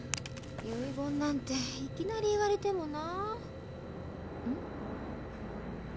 遺言なんていきなり言われてもなうん？